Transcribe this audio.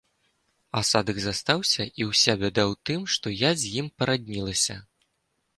Асадак застаўся і ўся бяда ў тым, што я з ім параднілася.